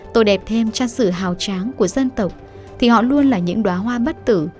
tôi đẹp thêm chăn sử hào tráng của dân tộc thì họ luôn là những đoá hoa bất tử